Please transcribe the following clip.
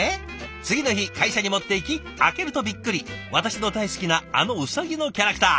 「次の日会社に持っていき開けるとびっくり私の大好きなあのうさぎのキャラクター！